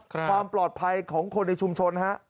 ความปลอดภัยของคนในชุมชนฮะ